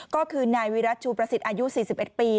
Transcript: ก็คือนายวิรัติชูประสิทธิ์อายุ๔๑ปี